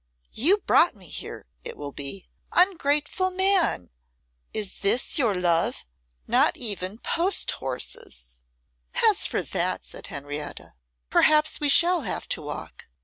"You brought me here," it will be: "Ungrateful man, is this your love? not even post horses!"' 'As for that,' said Henrietta, 'perhaps we shall have to walk.